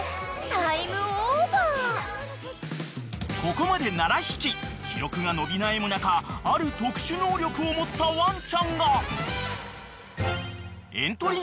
［ここまで７匹記録が伸び悩む中ある特殊能力を持ったワンちゃんが］